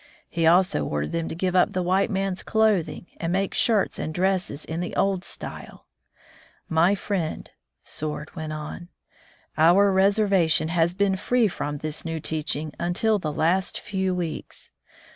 He also ordered them to give up the white man's clothing and make shirts and dresses in the old style. "My friend," Sword went on, "our res 83 From the Deep Woods to Civilization ervation has been free from this new teach ing until the last few weeks.